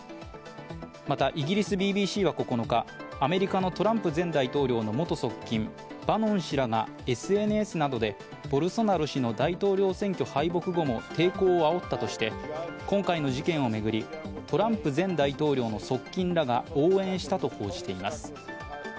またイギリスＢＢＣは９日、アメリカのトランプ前大統領の元側近、バノン氏らがＳＮＳなどでボルソナロ氏の大統領選挙敗北後も抵抗をあおったとして、今回の事件を巡りトランプ前大統領の側近らが応援したと報じています。